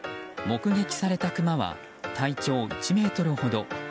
目撃されたクマは体長１ｍほど。